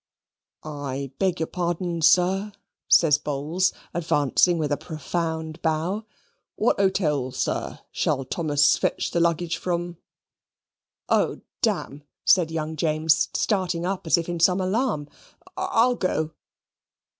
"I beg your pardon, sir," says Bowls, advancing with a profound bow; "what 'otel, sir, shall Thomas fetch the luggage from?" "O, dam," said young James, starting up, as if in some alarm, "I'll go."